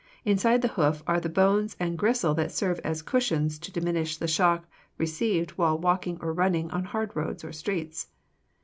Inside the hoof are the bones and gristle that serve as cushions to diminish the shock received while walking or running on hard roads or streets.